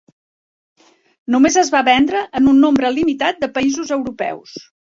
Només es va vendre en un nombre limitat de països europeus.